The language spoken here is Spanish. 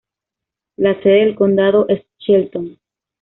La sede del condado es Shelton.